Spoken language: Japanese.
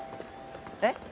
えっ？